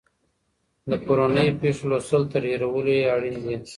د پرونيو پېښو لوستل تر هېرولو يې اړين دي.